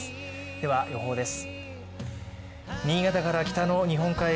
では予報です。